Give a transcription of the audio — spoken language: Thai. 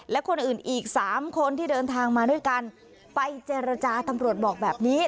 และคนอื่นอีกสามคนที่เดินทางมาด้วยกันไปเจรจาตำรวจบอกแบบนี้